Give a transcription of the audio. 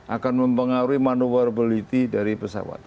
akan mempengaruhi manuverbility dari pesawat